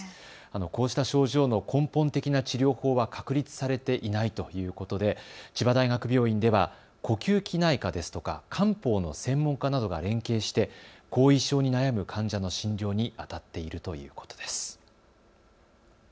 こうした症状の根本的な治療法は確立されていないということで千葉大学病院では呼吸器内科ですとか漢方の専門家などが連携して後遺症に悩む患者の診療にあたっているということです。